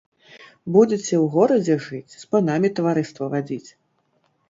Будзеце ў горадзе жыць, з панамі таварыства вадзіць.